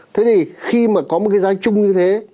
thế thì khi mà có một cái giá chung như thế